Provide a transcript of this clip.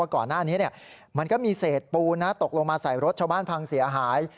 ก่อนหน้านี้มันก็มีเศษปูนตกลงมาใส่รถชาวบ้านพังเสียหาย